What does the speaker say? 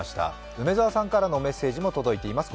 梅澤さんからのメッセージも届いています。